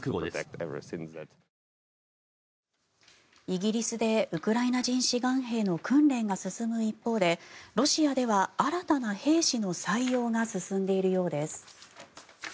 イギリスでウクライナ人志願兵の訓練が進む一方でロシアでは新たな兵士の採用が進んでいるようです。